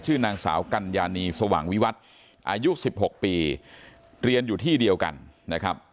ชื่อนางสาวกัญญานีสว่างวิวัตรอายุ๑๖ปีเรียนอยู่ที่เดียวกันนะครับ